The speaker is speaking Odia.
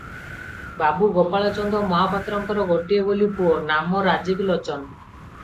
ବାବୁ ଗୋପାଳଚନ୍ଦ ମହାପାତ୍ରଙ୍କର ଗୋଟିଏ ବୋଲି ପୁଅ, ନାମ ରାଜୀବଲୋଚନ ।